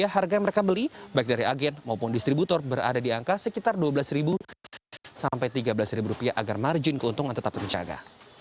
harga yang mereka beli baik dari agen maupun distributor berada di angka sekitar rp dua belas sampai rp tiga belas rupiah agar margin keuntungan tetap terjaga